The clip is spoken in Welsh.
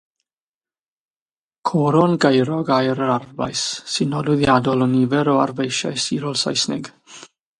Coron gaerog aur yr arfbais, sy'n nodweddiadol o nifer o arfbeisiau sirol Seisnig.